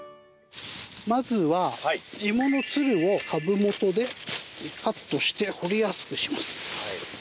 まずは、芋のつるを株元でカットして掘りやすくします。